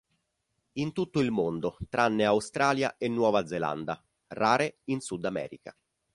In tutto il mondo, tranne Australia e Nuova Zelanda; rare in Sudamerica.